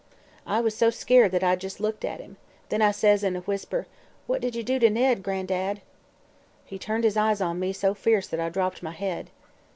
"I was so skeered that I jes' looked at him. Then I says in a whisper: 'What did ye do to Ned, Gran'dad?' "He turned his eyes on me so fierce that I dropped my head.